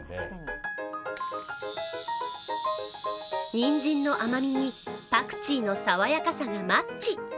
にんじんの甘みにパクチーの爽やかさがマッチ。